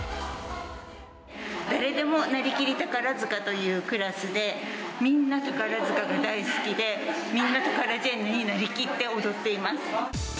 誰でもなりきりタカラヅカというクラスで、みんな宝塚が大好きで、みんな、タカラジェンヌになりきって踊っています。